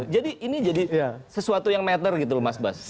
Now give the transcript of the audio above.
jadi ini jadi sesuatu yang matter gitu mas bas